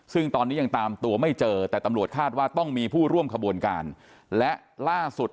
ซึ่งตอนนี้ยังตามตัวไม่เจอแต่ตำรวจคาดว่าต้องมีผู้ร่วมขบวนการและล่าสุด